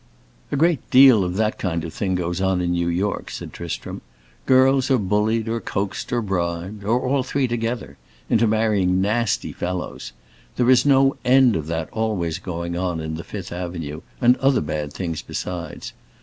"A great deal of that kind of thing goes on in New York," said Tristram. "Girls are bullied or coaxed or bribed, or all three together, into marrying nasty fellows. There is no end of that always going on in the Fifth Avenue, and other bad things besides.